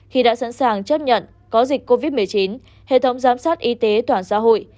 khi đã sẵn sàng chấp nhận có dịch covid một mươi chín hệ thống giám sát y tế toàn xã hội